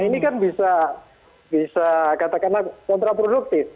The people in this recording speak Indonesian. ini kan bisa katakanlah kontraproduktif